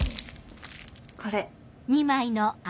これ。